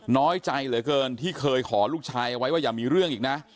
น้อยใจเหลือเกินที่เคยขอลูกชายเอาไว้ว่าอย่ามีเรื่องอีกนะ